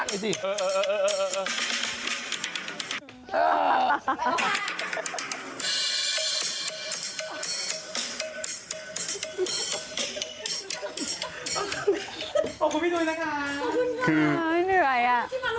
ขอบคุณที่มารบกวนค่ะ